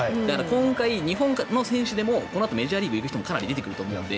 今回、日本人でもこのあとメジャーリーグ行く人もかなり出てくると思うので。